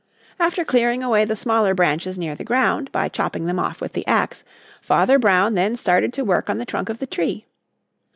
After clearing away the smaller branches near the ground, by chopping them off with the axe, Father Brown then started to work on the trunk of the tree.